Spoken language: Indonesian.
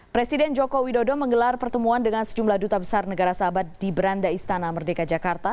presiden joko widodo menggelar pertemuan dengan sejumlah duta besar negara sahabat di beranda istana merdeka jakarta